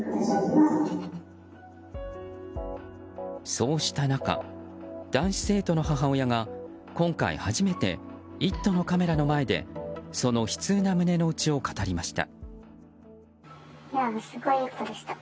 そうした中、男子生徒の母親が今回、初めて「イット！」のカメラの前でその悲痛な胸の内を語りました。